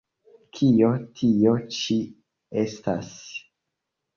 Kio tio ĉi estas?